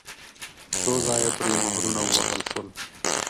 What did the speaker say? څو ځایه پرې مهرونه ووهل شول.